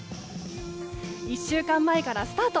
１週間前からスタート。